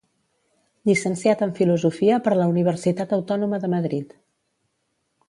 Llicenciat en Filosofia per la Universitat Autònoma de Madrid.